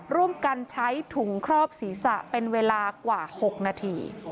ร่วมกันใช้ถุงครอบศีรษะเป็นเวลากว่า๖นาที